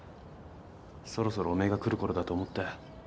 そろそろおめえが来る頃だと思ったよ。